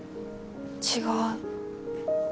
違う。